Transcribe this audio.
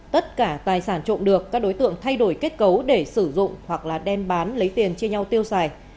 tất cả tài sản trộm được các đối tượng thay đổi kết cấu để sử dụng hoặc là đem bán lấy tiền chia nhau tiêu xài